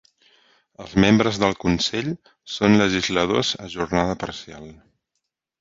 Els membres del consell són legisladors a jornada parcial.